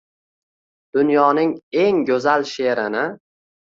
Dunyoning eng go’zal she’rini